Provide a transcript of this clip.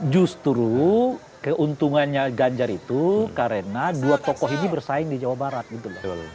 justru keuntungannya ganjar itu karena dua tokoh ini bersaing di jawa barat gitu loh